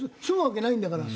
わけないんだから。